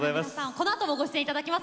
このあともご出演頂きます。